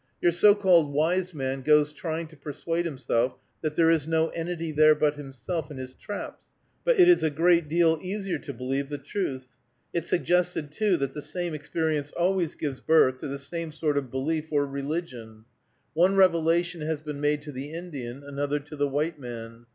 Your so called wise man goes trying to persuade himself that there is no entity there but himself and his traps, but it is a great deal easier to believe the truth. It suggested, too, that the same experience always gives birth to the same sort of belief or religion. One revelation has been made to the Indian, another to the white man.